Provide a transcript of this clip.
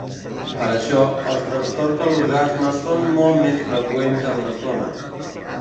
Per això, els trastorns de l'orgasme són molt més freqüents en les dones.